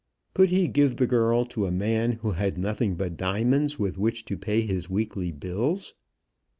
Could he give the girl to a man who had nothing but diamonds with which to pay his weekly bills?